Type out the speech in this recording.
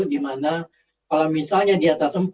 di mana kalau misalnya di atas empat